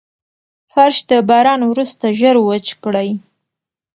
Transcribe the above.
فرش د باران وروسته ژر وچ کړئ.